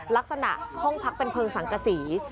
ลักษณะห้องพักเป็นเพลิงสังกษี